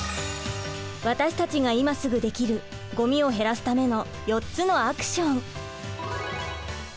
私たちが今すぐできるごみを減らすための４つのアクション。